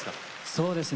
そうですね